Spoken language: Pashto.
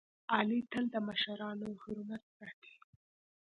علي تل د مشرانو حرمت ساتي.